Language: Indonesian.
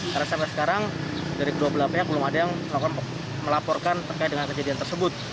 karena sampai sekarang dari dua puluh delapan pn belum ada yang melaporkan terkait dengan kejadian tersebut